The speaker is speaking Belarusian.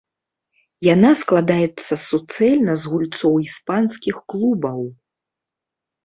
Яна складаецца суцэльна з гульцоў іспанскіх клубаў!